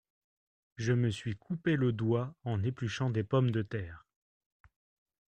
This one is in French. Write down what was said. Je me suis coupé le doigt en épluchant des pommes de terre.